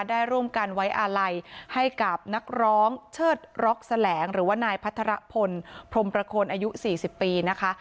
ได้ร่วมกันไว้อาลัยให้กับนักร้องเชิดร็อกแสลงหรือว่านายพัทรพลพรมประโคนอายุ๔๐ปีนะคะ